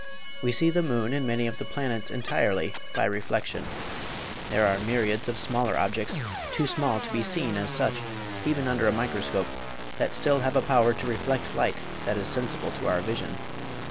We see the moon and many of the planets entirely by reflection. There are myriads of smaller objects, too small to be seen as such, even under a microscope, that still have a power to reflect light that is sensible to our vision.